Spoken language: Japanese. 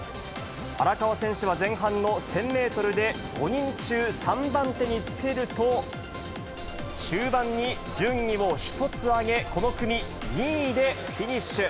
荒川選手は前半の１０００メートルで、５人中３番手につけると、終盤に順位を１つ上げ、この組２位でフィニッシュ。